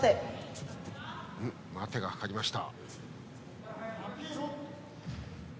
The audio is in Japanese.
待てがかかりました。